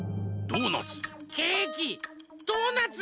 ドーナツ。